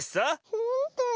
ほんとに？